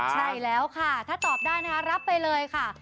ใช่แล้วค่ะถ้าตอบได้นะคะรับไปเลยค่ะ